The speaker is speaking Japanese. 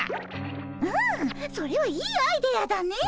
うんそれはいいアイデアだねえ。